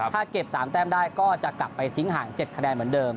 ถ้าเก็บ๓แต้มได้ก็จะกลับไปทิ้งห่าง๗คะแนนเหมือนเดิม